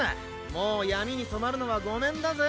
もう闇に染まるのはごめんだぜ。